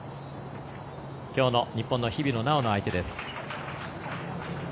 きょうの日本の日比野菜緒の相手です。